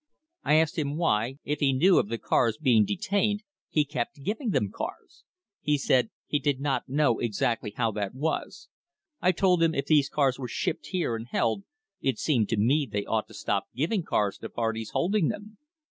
I asked him why, if he knew of the cars being detamed he kept g,v,ng h em carl He said he did not know exactly how that was. I to.d h,m ,f these cars were shipped here and held, i, seemed to me they ought to stop g,vmg cats to part.es folding 'hem.